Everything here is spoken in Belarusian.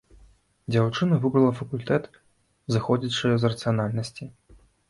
Дзяўчына выбрала факультэт, зыходзячы з рацыянальнасці.